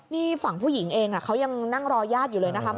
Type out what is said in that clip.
นี่ฝั่งผู้หญิงเองเขายังนั่งรอญาติอยู่เลยนะคะ